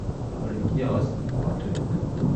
پارگی آستین پالتوی من